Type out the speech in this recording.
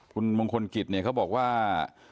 คุณมงคลกิจเนี่ยเขาบอกว่า